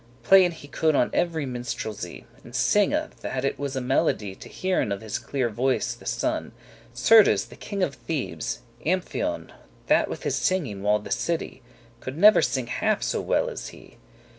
Playen he could on every minstrelsy, And singe, that it was a melody To hearen of his cleare voice the soun'. Certes the king of Thebes, Amphioun, That with his singing walled the city, Could never singe half so well as he.